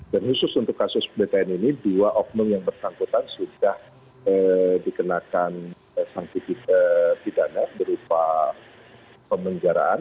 dan khusus untuk kasus ptn ini dua oknum yang bersangkutan sudah dikenakan sang pidana berupa pemenjaraan